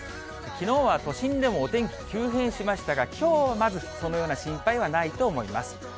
きのうは都心でもお天気、急変しましたが、きょうはまず、そのような心配はないと思います。